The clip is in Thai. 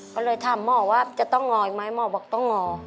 ก็เลยถามหมอว่าจะต้องงออีกไหมหมอบอกต้องงอ